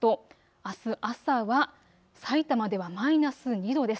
あす朝はさいたまではマイナス２度です。